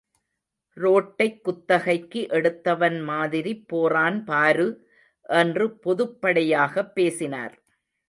ரோட்டைக் குத்தகைக்கு எடுத்தவன் மாதிரி போறான் பாரு என்று பொதுப்படையாகப் பேசினார்.